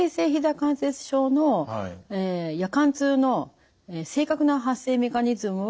関節症の夜間痛の正確な発生メカニズムは不明です。